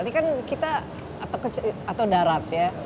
ini kan kita atau darat ya